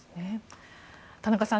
田中さん